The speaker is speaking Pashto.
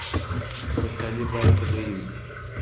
خوشحالي باید طبیعي وي.